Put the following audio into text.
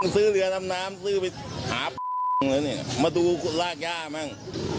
ซื้อเรือดำน้ำน้ำซื้อมาดูรากย่ามั้ง